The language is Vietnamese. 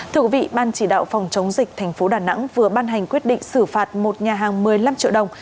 thượng vị ban chỉ đạo phòng chống dịch tp đà nẵng vừa ban hành quyết định xử phạt một nhà hàng một mươi năm triệu đồng